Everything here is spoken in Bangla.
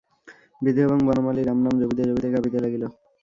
বিধু এবং বনমালী রামনাম জপিতে জপিতে কাঁপিতে লাগিল।